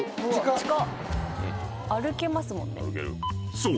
［そう。